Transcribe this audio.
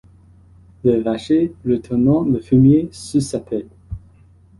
Le vacher retournant le fumier sous sa pelle